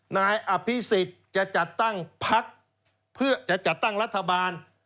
นายอภิษฎจะจัดตั้งพักเพื่อจะจัดตั้งรัฐบาล